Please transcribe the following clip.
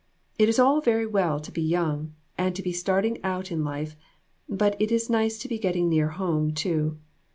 It is all very well to be young, and to be starting out in life, but it is nice to be getting near home, too.